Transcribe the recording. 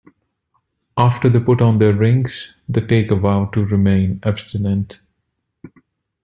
After they put on their rings, they take a vow to remain abstinent.